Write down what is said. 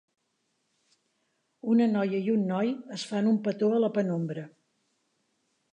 Una noia i un noi es fan un petó a la penombra